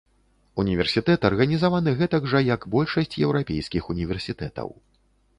Універсітэт арганізаваны гэтак жа, як большасць еўрапейскіх універсітэтаў.